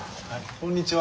こんにちは。